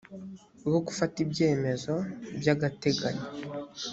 bwo gufata ibyemezo by agateganyo